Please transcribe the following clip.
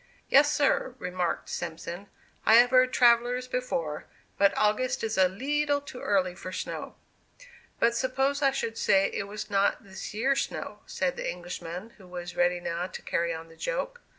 "Yes, sir," remarked Simpson, "I have heard travellers before, but August is a leetle too early for snow." "But suppose I should say it was not this year's snow?" said the Englishman, who was ready now to carry on the joke.